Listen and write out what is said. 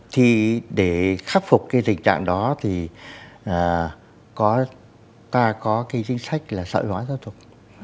thì để khắc phục cái tình trạng đó thì ta có cái chính sách là sợi hóa giáo dục